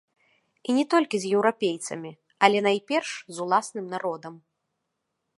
І не толькі з еўрапейцамі, але найперш з уласным народам.